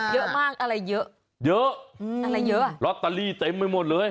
เยอะมากอะไรเยอะเยอะอืมอะไรเยอะอ่ะลอตเตอรี่เต็มไปหมดเลย